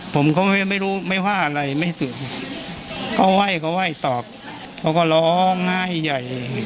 ผมก็ไม่รู้ไม่ว่าอะไรไม่ตอบเขาไหว้เขาไหว้ตอบเขาก็ร้องไห้ใหญ่